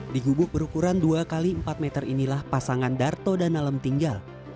di gubuk berukuran dua x empat meter inilah pasangan darto dan nalem tinggal